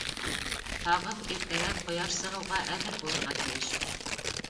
Һағыҙ иртәгә ҡояш сығыуға әҙер булырға тейеш!